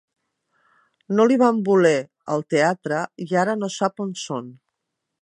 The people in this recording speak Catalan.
No l'hi van voler, al teatre, i ara no sap on són.